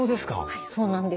はいそうなんです。